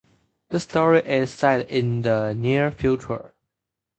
The story is set in the near future.